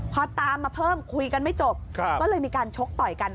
พอตามมาเพิ่มคุยกันไม่จบก็เลยมีการชกต่อยกัน